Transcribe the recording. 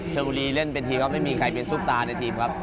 ชนบุรีเล่นเป็นทีมครับไม่มีใครเป็นซุปตาในทีมครับ